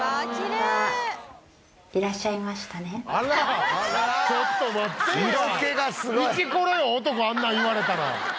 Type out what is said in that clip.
イチコロよ男あんなん言われたら。